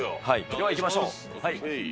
ではいきましょう。